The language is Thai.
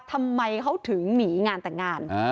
ทำไมเขาถึงหนีงานแต่งงาน